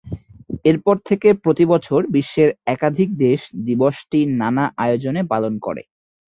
এরপর থেকে প্রতিবছর বিশ্বের একাধিক দেশ দিবসটি নানা আয়োজনে পালন করে।